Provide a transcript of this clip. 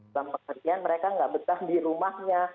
selama pekerjaan mereka tidak betah di rumahnya